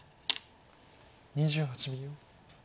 ２８秒。